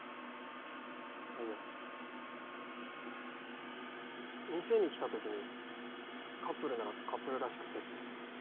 いや店に来た時にカップルならカップルらしく接する。